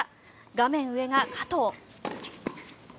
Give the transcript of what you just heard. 画面上が加藤。